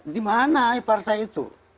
di mana partai itu